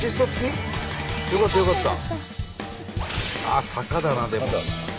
ああ坂だなでも。